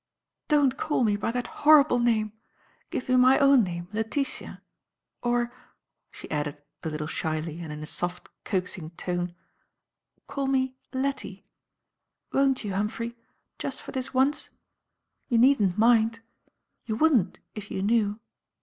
"Don't call me by that horrible name! Give me my own name, Letitia; or," she added, a little shyly and in a soft, coaxing tone, "call me Lettie. Won't you, Humphrey, just for this once? You needn't mind. You wouldn't if you knew.